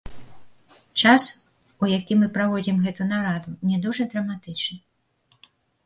Час, у які мы праводзім гэта нараду, не дужа драматычны.